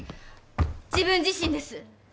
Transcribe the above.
自分自身です。